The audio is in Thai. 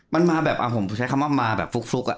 มันมาแบบผมใช้คำว่ามาแบบฟลุก